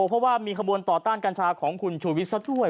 เพราะว่ามีขบวนต่อต้านกัญชาของคุณชูวิทย์ซะด้วย